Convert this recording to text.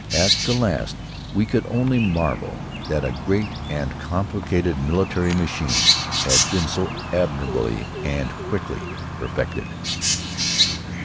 At the last, we could only marvel that a great and complicated military machine had been so admirably and quickly perfected.